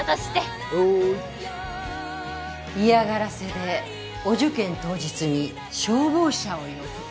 嫌がらせでお受験当日に消防車を呼ぶ。